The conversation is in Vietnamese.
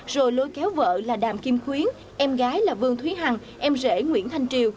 rồi lối kéo vợ là đàm kim khuyến em gái là vương thúy hằng em rễ nguyễn thanh triều